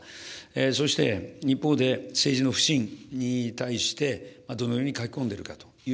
そして一方で政治の不信に対して、どのように書き込んでるかという